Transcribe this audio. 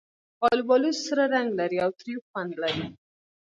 آلوبالو سره رنګ لري او تریو خوند لري.